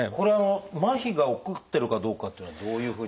まひが起こってるかどうかっていうのはどういうふうに。